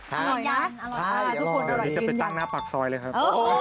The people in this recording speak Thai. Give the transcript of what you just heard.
อันนี้จะไปตั้งหน้าปากซอยเลยครับ